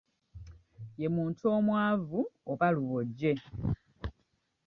Ye muntu omwavu oba luboje.